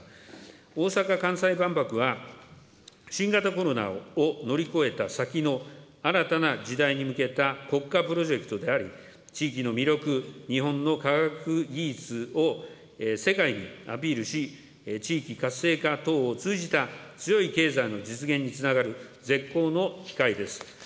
大阪・関西万博は、新型コロナを乗り越えた先の新たな時代に向けた国家プロジェクトであり、地域の魅力、日本の科学技術を世界にアピールし、地域活性化等を通じた強い経済の実現につながる絶好の機会です。